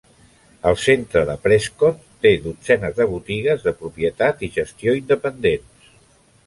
El centre de Prescott té dotzenes de botigues de propietat i gestió independents.